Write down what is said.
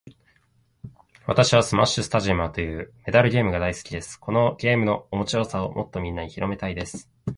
私はスマッシュスタジアムというメダルゲームが大好きです。このゲームの面白さをもっとみんなに広めたいです。